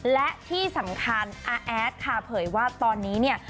และที่สำคัญอาแอดค่ะเผยว่าตอนนี้เนี่ย